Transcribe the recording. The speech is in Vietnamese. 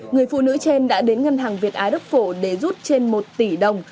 người phụ nữ trên đã đến ngân hàng việt á đức phổ để rút trên một tỷ đồng